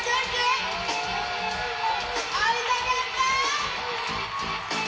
会いたかった！